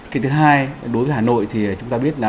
cái thứ hai đối với hà nội thì chúng ta biết là